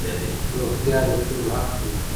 روغتيا د ټولو حق دی.